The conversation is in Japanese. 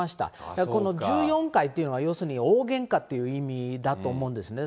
だからこの１４回というのは、要するに大げんかという意味だと思うんですね。